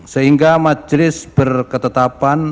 sehingga majelis berketetapan